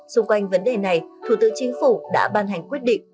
xung quanh vấn đề này thủ tướng chính phủ đã ban hành quyết định